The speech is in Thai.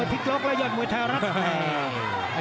พยายามโตในตีหน้าขา